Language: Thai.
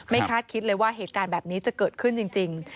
คาดคิดเลยว่าเหตุการณ์แบบนี้จะเกิดขึ้นจริง